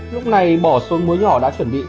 lúc này bỏ xuống muối nhỏ đã chuẩn bị